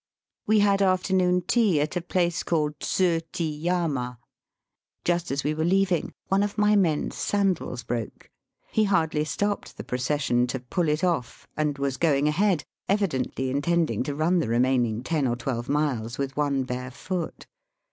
We had afternoon tea at a place called Tsuchiyama. Just as we were leaving, one of my men's sandals broke. He hardly stopped the pro cession to pull it off, and was going ahead, evidently intending to run the remaining ten or twelve miles with one bare foot.